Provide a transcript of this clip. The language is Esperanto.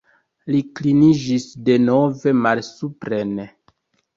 Li kliniĝis denove malsupren.